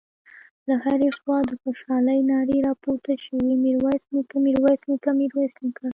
له هرې خوا د خوشالۍ نارې راپورته شوې: ميرويس نيکه، ميرويس نيکه، ميرويس نيکه….